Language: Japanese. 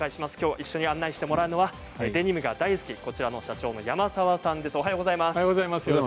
一緒に紹介してくださるのはデニム大好きこちら社長の山澤さんです。